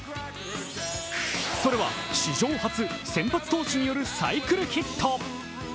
それは史上初、先発投手によるサイクルヒット。